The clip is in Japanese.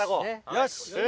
よし！